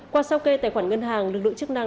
qua sau kê tài khoản ngân hàng lực lượng chức năng